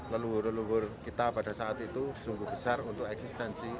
leluhur leluhur kita pada saat itu sungguh besar untuk eksistensi